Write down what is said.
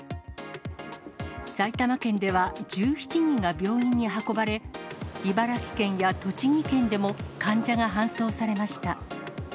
埼玉県では１７人が病院に運ばれ、茨城県や栃木県でも患者が搬送されました。